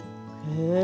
へえ。